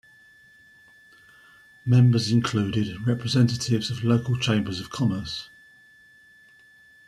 Members included representatives of local chambers of commerce.